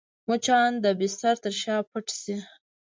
مچان د بستر تر شا پټ شي